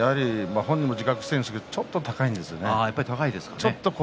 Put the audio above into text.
本人も自覚していますがちょっと高いですね。